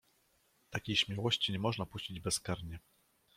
"Takiej śmiałości nie można puścić bezkarnie."